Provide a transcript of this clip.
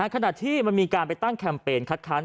ขณะที่มันมีการไปตั้งแคมเปญคัดค้าน